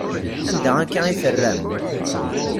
Anda akka i terram?